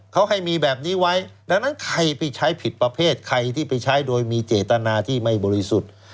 เขาให้มีแบบนี้ไว้ดังนั้นใครไปใช้ผิดประเภทใครที่ไปใช้โดยมีเจตนาที่ไม่บริสุทธิ์